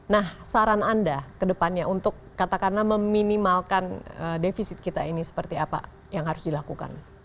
nah saran anda ke depannya untuk katakanlah meminimalkan defisit kita ini seperti apa yang harus dilakukan